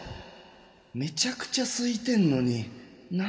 めちゃくちゃすいてんのに何？